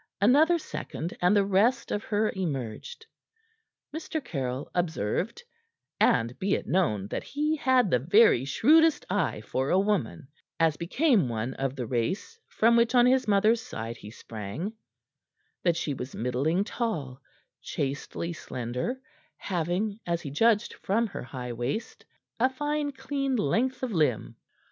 Another second and the rest of her emerged. Mr. Caryll observed and be it known that he had the very shrewdest eye for a woman, as became one of the race from which on his mother's side he sprang that she was middling tall, chastely slender, having, as he judged from her high waist, a fine, clean length of limb.